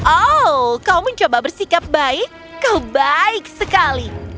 oh kau mencoba bersikap baik kau baik sekali